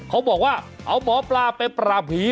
เขาบอกว่าเอาหมอปลาไปปราบผี